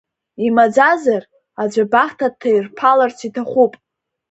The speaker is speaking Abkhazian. Имаӡазар, аӡә абахҭа дҭаирԥаларц иҭахуп.